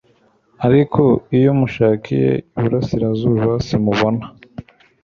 ariko, iyo mushakiye iburasirazuba, simubona